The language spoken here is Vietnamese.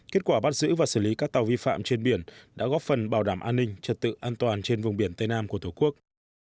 kết quả bắt giữ và xử lý các tàu vi phạm trên biển đã góp phần bảo đảm an ninh trật tự an toàn trên vùng biển tây nam của tổ quốc